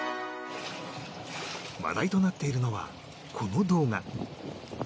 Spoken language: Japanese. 話題となっているのはこの動画。